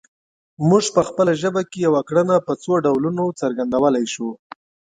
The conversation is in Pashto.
موږ په خپله ژبه کې یوه کړنه په څو ډولونو څرګندولی شو